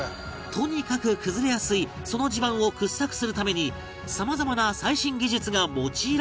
とにかく崩れやすいその地盤を掘削するためにさまざまな最新技術が用いられているという